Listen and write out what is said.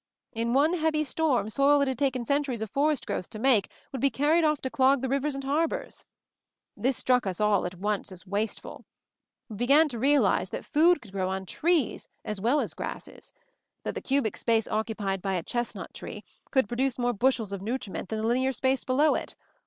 In one heavy storm soil that it had taken centuries of forest growth to make would be carried off to clog the livers and harbors. This struck us all at once as wasteful. We began to realize that food could grow on trees as well as grasses ; 180 MOVING THE MOUNTAIN that the cubic space occupied by a chestnut tree could produce more bushels of nutri ment than the linear space below it.